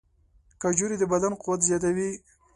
کجورې د بدن قوت زیاتوي.